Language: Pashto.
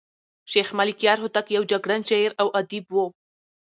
شېخ ملکیار هوتک یو جګړن شاعر او ادیب وو.